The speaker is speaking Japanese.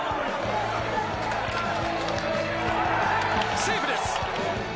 セーフです。